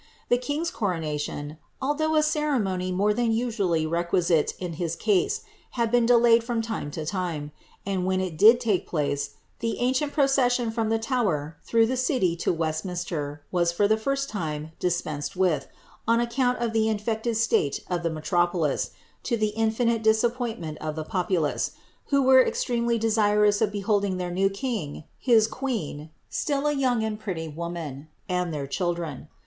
The king's coronation, although a ceremony more than usually requisite in his case, had been delayed from time to time ; and, when it did take place, the ancient procession from the Tower, through the city, to Westminster, was, for the first time, dispensed with, on ac count of the infected state of the metropolis, to the infinite disappoint ment of the populace, who were extremely desirous of beholding their new king, his queen, (still a young and pretty woman,) and their chil dren.